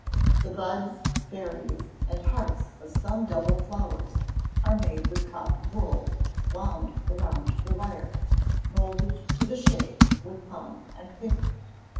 The buds, berries, and hearts of some double flowers are made with cotton wool, wound around wire, moulded to the shape with thumb and finger.